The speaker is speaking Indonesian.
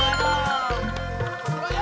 terima kasih komandan